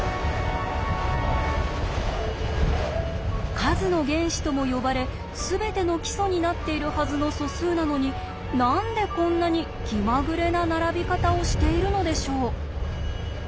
数の原子とも呼ばれ全ての基礎になっているはずの素数なのに何でこんなに気まぐれな並び方をしているのでしょう？